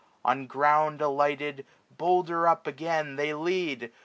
On ground 745 Alighted, bolder up again they lead.